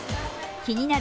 気になる